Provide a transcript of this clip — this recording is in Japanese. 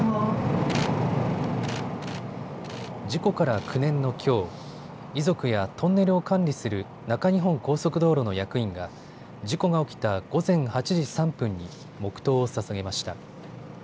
事故から９年のきょう、遺族やトンネルを管理する中日本高速道路の役員が事故が起きた午前８時３分に黙とうをささげました。